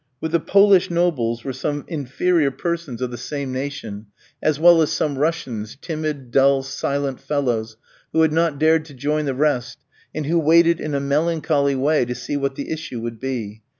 With the Polish nobles were some inferior persons of the same nation, as well as some Russians, timid, dull, silent fellows, who had not dared to join the rest, and who waited in a melancholy way to see what the issue would be.